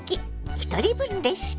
ひとり分レシピ」。